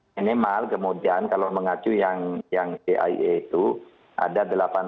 minimal kemudian kalau mengacu yang cia itu ada delapan ratus empat puluh enam